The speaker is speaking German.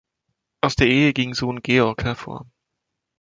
Aus der Ehe ging Sohn Georg hervor.